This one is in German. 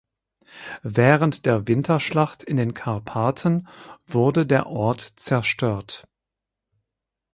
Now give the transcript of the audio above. Während der Winterschlacht in den Karpaten wurde der Ort zerstört.